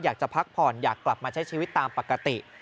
อยากจะพักผ่อนอยากกลับมาใช้ชีวิตตามปกติ